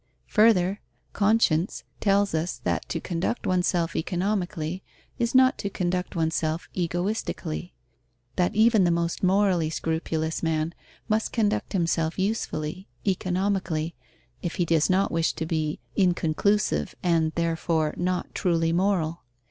Further, conscience tells us that to conduct oneself economically is not to conduct oneself egoistically; that even the most morally scrupulous man must conduct himself usefully (economically), if he does not wish to be inconclusive and, therefore, not truly moral.